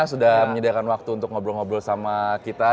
sudah menyediakan waktu untuk ngobrol ngobrol sama kita